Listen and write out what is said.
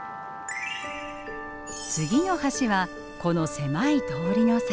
次の橋はこの狭い通りの先。